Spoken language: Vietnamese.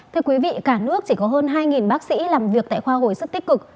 thưa quý vị cả nước chỉ có hơn hai bác sĩ làm việc tại khoa hồi sức tích cực